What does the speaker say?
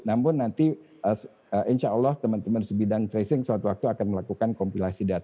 namun nanti insya allah teman teman sebidang tracing suatu waktu akan melakukan kompilasi data